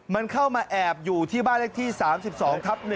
มันเข้ามาแอบอยู่ที่บ้านเลขที่๓๒ทับ๑